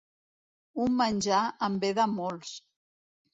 Un menjar en veda molts.